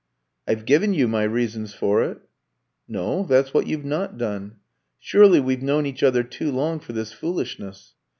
"I've given you my reasons for it." "No; that's what you've not done. Surely we've known each other too long for this foolishness.